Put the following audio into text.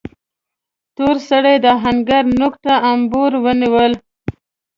تور سړي د آهنګر نوک ته امبور ونيو.